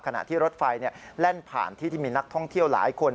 ขณะที่รถไฟแล่นผ่านที่ที่มีนักท่องเที่ยวหลายคน